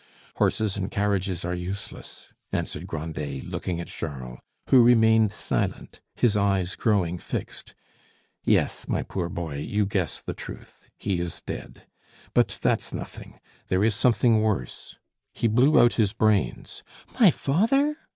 "Horses and carriages are useless," answered Grandet, looking at Charles, who remained silent, his eyes growing fixed. "Yes, my poor boy, you guess the truth, he is dead. But that's nothing; there is something worse: he blew out his brains." "My father!"